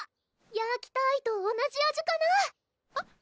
ヤーキターイと同じ味かな？